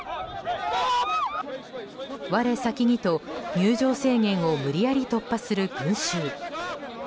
我先にと、入場制限を無理やり突破する群衆。